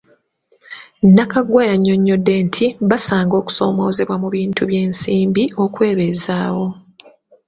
Nakaggwa yannyonnyodde nti basanga okusoomoozebwa mu bintu by'ensimbi okwebeezaawo.